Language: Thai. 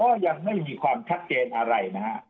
ก็ยังไม่มีความชัดเจนอะไรนะฮะ